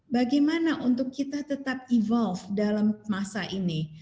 bagaimana untuk kita tetap evolve dalam masa ini